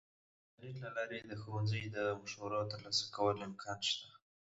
د انټرنیټ له لارې د ښوونځي د مشورو د لاسته راوړلو امکان شته.